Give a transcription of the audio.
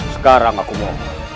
sekarang aku mau